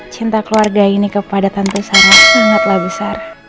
cinta keluarga ini kepada tante sangatlah besar